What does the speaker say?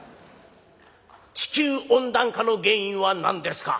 「地球温暖化の原因は何ですか？」。